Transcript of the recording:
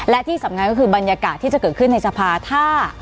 และที่สำคัญก็คือบรรยากาศที่จะเกิดขึ้นในสภาถ้า